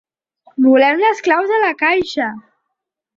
Volem les claus de la caixa!